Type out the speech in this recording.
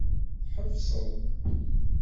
Tḥebseḍ.